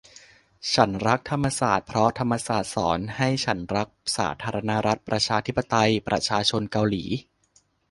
ฉันรักธรรมศาสตร์ เพราะธรรมศาสตร์สอนให้ฉันรักสาธารณรัฐประชาธิปไตยประชาชนเกาหลี